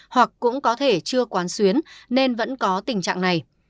hoặc cũng có thể chưa quán xuyến nên vẫn có tình trạng này